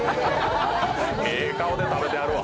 ええ顔で食べてはるわ。